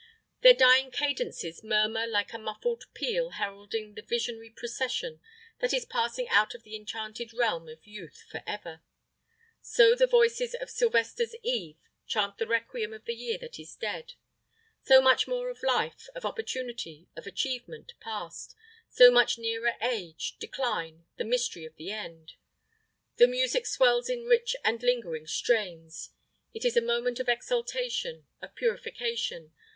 Their dying cadences murmur like a muffled peal heralding the visionary procession that is passing out of the enchanted realm of youth forever. So the voices of Sylvester's Eve chant the requiem of the year that is dead. So much more of life, of opportunity, of achievement, passed; so much nearer age, decline, the mystery of the end. The music swells in rich and lingering strains. It is a moment of exaltation, of purification.